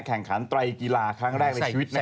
แข่งขันไตรกีฬาครั้งแรกในชีวิตใช่